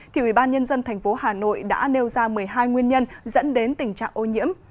thì ủy ban nhân dân thành phố hà nội đã nêu ra một mươi hai nguyên nhân dẫn đến tình trạng ô nhiễm